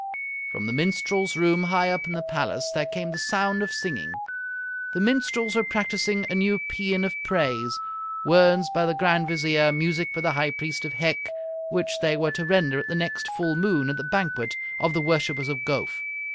From the minstrels' room high up in the palace there came the sound of singing. The minstrels were practising a new paean of praise words by the Grand Vizier, music by the High Priest of Hec which they were to render at the next full moon at the banquet of the worshippers of Gowf.